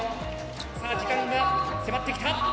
さあ時間が迫ってきた！